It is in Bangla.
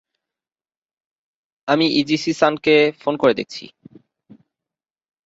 আমি ইজিচি-সানকে ফোন করে দেখছি।